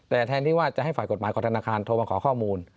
แต่แทนที่ว่าจะให้ฝ่ายกฎหมายของธนาคารโทรมาขอข้อมูล